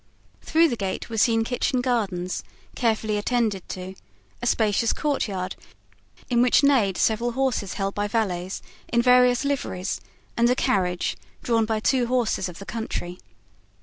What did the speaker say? Through the gate was seen kitchen gardens, carefully attended to, a spacious courtyard, in which neighed several horses held by valets in various liveries, and a carriage, drawn by two horses of the country.